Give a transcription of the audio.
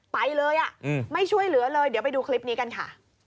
ไปเลยอ่ะไม่ช่วยเหลือเลยเดี๋ยวไปดูคลิปนี้กันค่ะ